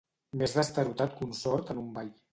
Més destarotat que un sord en un ball.